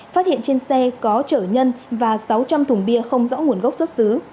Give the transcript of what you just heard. phát hiện trên xe có chở nhân và sáu trăm linh thùng bia không rõ nguồn gốc xuất xứ